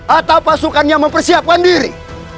atau pasukannya mempersiapkan diri